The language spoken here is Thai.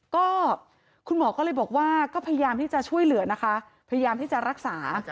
ก็คุณหมอก็เลยบอกว่าก็พยายามที่จะช่วยเหลือนะคะพยายามที่จะรักษา